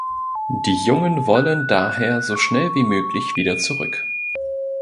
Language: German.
Die Jungen wollen daher so schnell wie möglich wieder zurück.